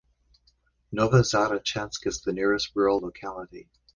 Novozarechensk is the nearest rural locality.